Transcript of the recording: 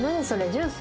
ジュース？